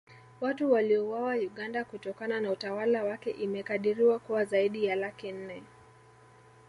Watu waliouawa Uganda kutokana na utawala wake imekadiriwa kuwa zaidi ya laki nne